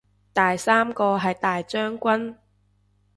第三個係大將軍